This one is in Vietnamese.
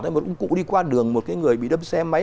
một cụ đi qua đường một cái người bị đâm xe máy